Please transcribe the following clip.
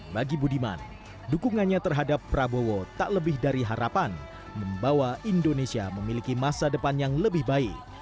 bagi budiman dukungannya terhadap prabowo tak lebih dari harapan membawa indonesia memiliki masa depan yang lebih baik